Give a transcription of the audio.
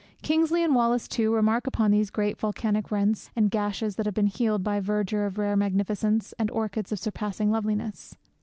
Kingsley and Wallace, too, remark upon these great volcanic rents and gashes that have been healed by verdure of rare magnificence and orchids of surpassing loveliness.